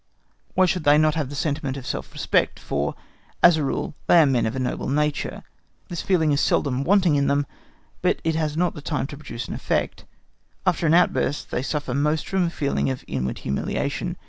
Why should they not have the sentiment of self respect, for, as a rule, they are men of a noble nature? This feeling is seldom wanting in them, but it has not time to produce an effect. After an outburst they suffer most from a feeling of inward humiliation.